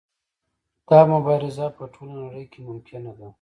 دا مبارزه په ټوله نړۍ کې ممکنه ده.